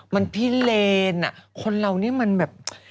มันพิเลนอ่ะคนเหล่านี้มันแบบ